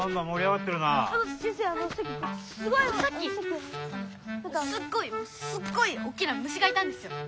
さっきすっごいすっごいおっきな虫がいたんですよ。